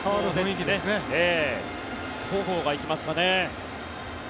戸郷が行きますかね。